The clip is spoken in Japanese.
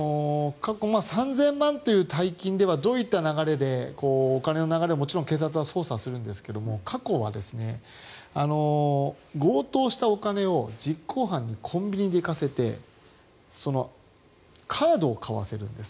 ３０００万円という大金では、どういう流れでお金の流れはもちろん警察は捜査するんですが過去には強盗したお金を実行犯にコンビニに行かせてカードを買わせるんです。